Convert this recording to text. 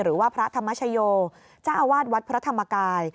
หรือว่าพระธรรมชโยเจ้าอาวาสวัดพระธรรมกาย